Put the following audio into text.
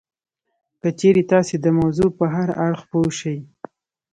که چېرې تاسې د موضوع په هر اړخ پوه شئ